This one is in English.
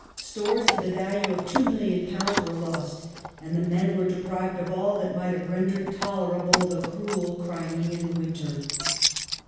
Stores to the value of £2,000,000 were lost, and the men were deprived of all that might have rendered tolerable the cruel Crimean winter.